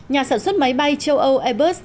nhà sản xuất máy bay châu âu airbus